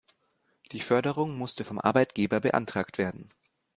Die Förderung musste vom Arbeitgeber beantragt werden.